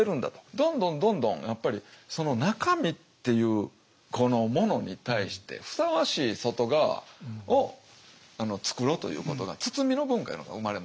どんどんどんどんやっぱりその中身っていうこのものに対してふさわしい外側を作ろうということが包みの文化いうのが生まれますよね。